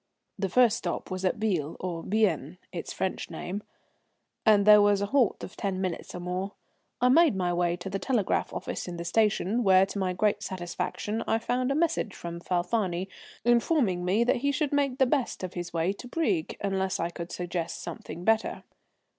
The first stop was at Biel or Bienne, its French name, and there was a halt of ten minutes or more. I made my way to the telegraph office in the station, where to my great satisfaction I found a message from Falfani, informing me that he should make the best of his way to Brieg, unless I could suggest something better.